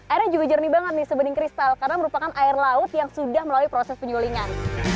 airnya juga jernih banget nih sebening kristal karena merupakan air laut yang sudah melalui proses penyulingan